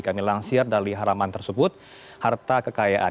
kami langsir dari haraman tersebut harta kekayaan